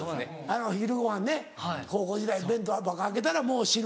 昼ごはんね高校時代弁当箱開けたらもう汁。